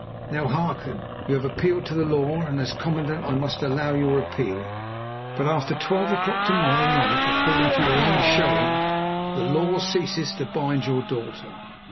Now hearken. You have appealed to the law, and, as commandant, I must allow your appeal. But after twelve o'clock to morrow night, according to your own showing, the law ceases to bind your daughter.